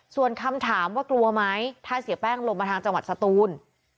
ส่วนคำถามว่ากลัวไหมถ้าเสียแป้งลงมาทางจังหวัดสตูน